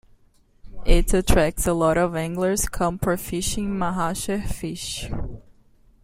It attracts a lot of anglers come for fishing mahasher fish.